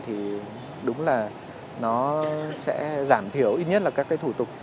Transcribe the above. thì đúng là nó sẽ giảm thiểu ít nhất là các cái thủ tục